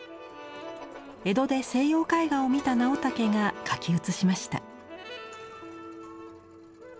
江戸で西洋絵画を見た直武が描き写しました。